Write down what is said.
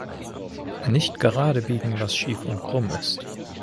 Nicht geradebiegen, was schief und krumm ist!